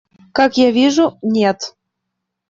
Как я вижу, нет.